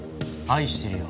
愛してるよ。